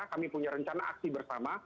kami punya rencana aksi bersama